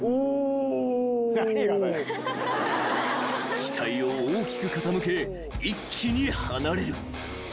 ［機体を大きく傾け一気に離れる］